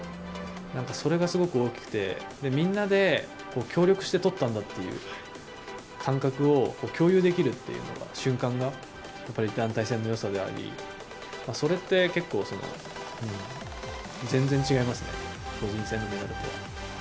それがすごく大きくてみんなで協力してとったんだっていう感覚を共有できる瞬間が団体戦の良さでありそれって結構、全然違いますね。